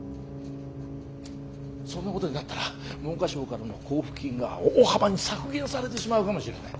そんなことになったら文科省からの交付金が大幅に削減されてしまうかもしれない。